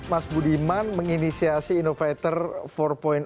mas budiman menginisiasi innovator empat